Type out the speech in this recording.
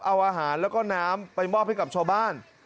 เอาอาหารแล้วก็น้ำไปมอบให้กับชาวบ้าน